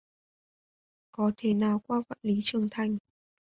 Có thể nào qua Vạn lý trường thành